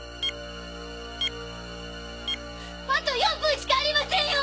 あと４分しかありませんよ‼